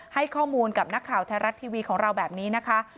ให้ข้อมูลกับนักข่าวไทยรัฐทีวีของเราแบบนี้นะคะ